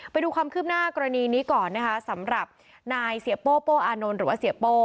ไปดูความคืบหน้ากรณีนี้ก่อนนะคะสำหรับนายเสียโป้โป้อานนท์หรือว่าเสียโป้